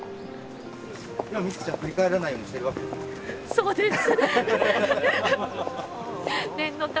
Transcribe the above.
そうです。